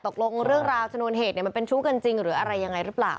ตกลงเรื่องราวชนวนเหตุมันเป็นชู้กันจริงหรืออะไรยังไงหรือเปล่า